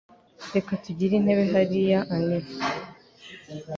Reka tugire intebe hariya, Annie.